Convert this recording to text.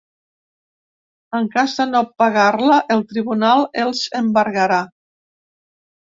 En cas de no pagar-la, el tribunal els embargarà.